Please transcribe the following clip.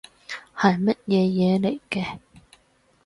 係乜嘢嘢嚟嘅